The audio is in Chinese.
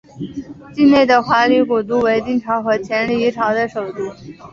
境内的华闾古都为丁朝和前黎朝的首都。